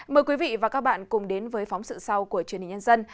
mời quý vị và các bạn cùng đến với phóng sự sau của truyền hình nhân dân